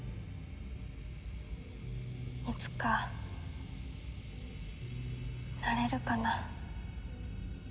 いつかなれるかな。